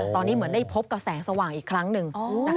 ตอนนี้เหมือนได้พบกับแสงสว่างอีกครั้งหนึ่ง